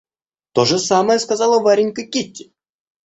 То же самое сказала Варенька Кити.